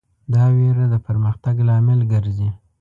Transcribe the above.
دا وېره د پرمختګ لامل ګرځي.